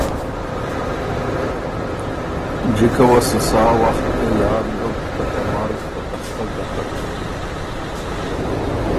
جِکه وه سو سا وخت ګه یاد بُک که ته مرګ په تختۀ ګتک۔